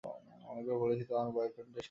অনেকবার করেছি, আমার বয়ফ্রেন্ডের সাথে।